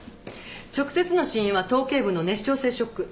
直接の死因は頭けい部の熱傷性ショック。